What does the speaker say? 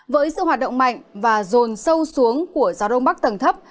với sự hoạt động mạnh và rồn sâu xuống của gió đông bắc tầng thấp